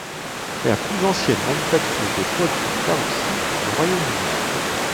C'est la plus ancienne manufacture de bottes en caoutchouc du Royaume-Uni.